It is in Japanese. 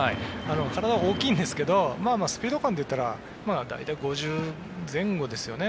体は大きいんですけどスピード感でいったら大体、１５０ｋｍ前後ですよね。